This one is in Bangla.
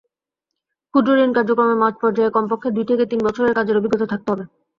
ক্ষুদ্রঋণ কার্যক্রমে মাঠপর্যায়ে কমপক্ষে দুই থেকে তিন বছরের কাজের অভিজ্ঞতা থাকতে হবে।